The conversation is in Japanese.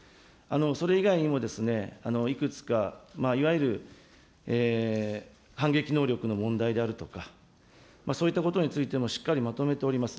それ以外にもいくつか、いわゆる反撃能力の問題であるとか、そういったことについてもしっかりまとめております。